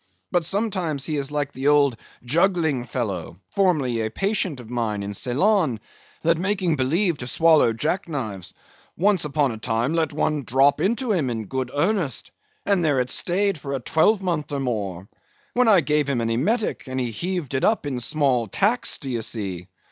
But sometimes he is like the old juggling fellow, formerly a patient of mine in Ceylon, that making believe swallow jack knives, once upon a time let one drop into him in good earnest, and there it stayed for a twelvemonth or more; when I gave him an emetic, and he heaved it up in small tacks, d'ye see.